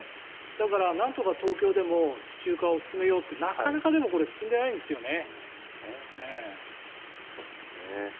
だから、なんとか東京でも地中化を進めようって。なかなかでもこれ、進んでないんですよね。